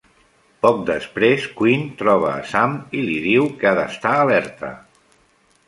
Poc després, Quinn troba a Sam i li diu que ha d'estar alerta.